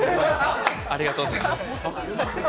ありがとうございます。